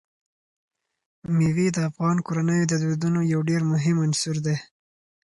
مېوې د افغان کورنیو د دودونو یو ډېر مهم عنصر دی.